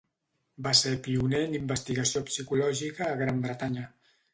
Va ser pioner en investigació psicològica a Gran Bretanya.